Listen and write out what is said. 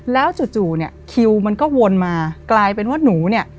แล้วจู่เนี่ยคิวมันก็วนมากลายเป็นว่าหนูเนี่ย